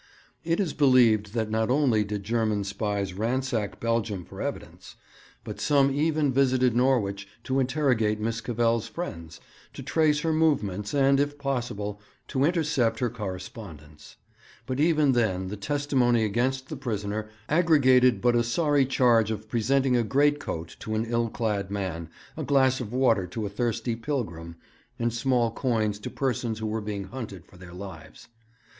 It is believed that not only did German spies ransack Belgium for evidence, but some even visited Norwich to interrogate Miss Cavell's friends, to trace her movements, and, if possible, to intercept her correspondence. But even then the testimony against the prisoner aggregated but a sorry charge of presenting a great coat to an ill clad man, a glass of water to a thirsty pilgrim, and small coins to persons who were being hunted for their lives.